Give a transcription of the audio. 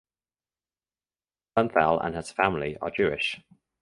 Bernthal and his family are Jewish.